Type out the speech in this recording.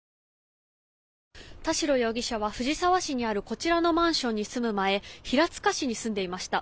田代容疑者は藤沢市にあるこちらのマンションに住む前平塚市に住んでいました。